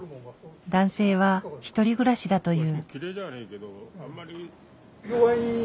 男性は１人暮らしだという。